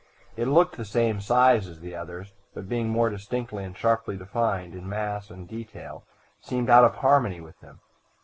It looked the same size as the others, but, being more distinctly and sharply defined in mass and detail, seemed out of harmony with them.